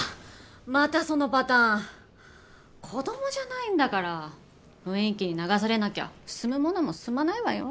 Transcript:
またそのパターン子供じゃないんだから雰囲気に流されなきゃ進むものも進まないわよ